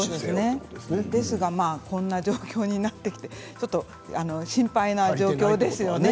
ですが、こんな状況になってきて心配な状況ですよね。